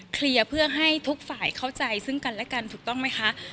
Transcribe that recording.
เคลียร์เพื่อให้ทุกฝ่ายเข้าใจซึ่งกันและกันถูกต้องไหมคะ